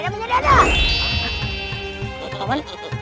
beda punya dada